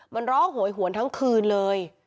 มันร้องโหยหวนทั้งคืนเลย